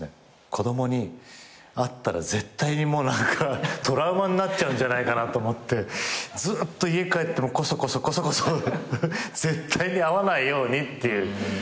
子供に会ったら絶対にトラウマになっちゃうんじゃないかなと思ってずっと家帰ってもこそこそこそこそ絶対に会わないようにっていう日が。